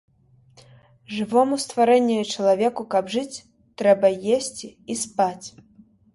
Жывому стварэнню і чалавеку каб жыць, трэба есці і спаць.